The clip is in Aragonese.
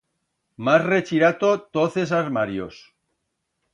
M'has rechirato toz es almarios.